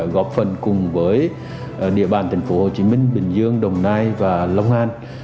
góp phần cùng với địa bàn thành phố hồ chí minh bình dương đồng nai và long an